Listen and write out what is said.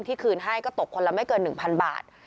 คืนให้ก็ตกคนละไม่เกิน๑๐๐บาท